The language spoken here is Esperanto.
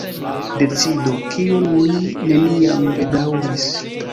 Decido, kiun mi neniam bedaŭris.